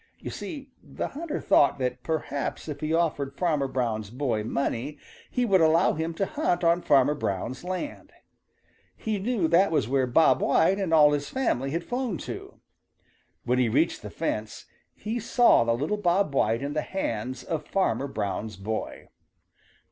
You see, the hunter thought that perhaps if he offered Farmer Brown's boy money he would allow him to hunt on Farmer Brown's land. He knew that was where Bob White and all his family had flown to. When he reached the fence, he saw the little Bob White in the hands of Farmer Brown's boy.